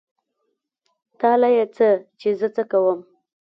تا له يې څه چې زه څه کوم.